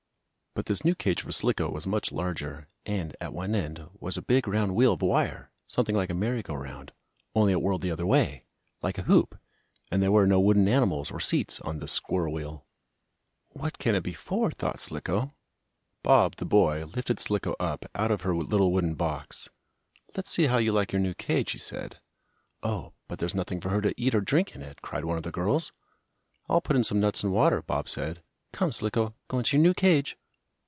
But this new cage for Slicko was much larger, and, at one end, was a big round wheel of wire, something like a merry go round, only it whirled the other way, like a hoop, and there were no wooden animals, or seats, on this squirrel wheel. "What can it be for?" thought Slicko. Bob, the boy, lifted Slicko up out of her little wooden box. "Let's see how you like your new cage," he said. "Oh, but there's nothing for her to eat or drink in it," cried one of the girls. "I'll put in some nuts and water," Bob said. "Come, Slicko, go into your new cage."